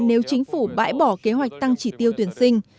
nếu chính phủ bãi bỏ kế hoạch tăng chỉ tiêu tuyển sinh